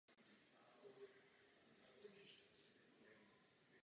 Gotický kostel byl přestavěn barokně a doplněn několika výraznými zásahy Jana Santiniho.